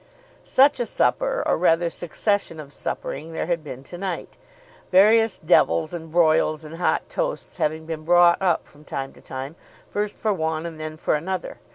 Such a supper, or rather succession of suppering, there had been to night, various devils and broils and hot toasts having been brought up from time to time first for one and then for another.